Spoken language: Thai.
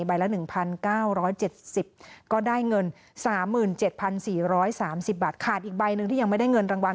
ละ๑๙๗๐ก็ได้เงิน๓๗๔๓๐บาทขาดอีกใบหนึ่งที่ยังไม่ได้เงินรางวัล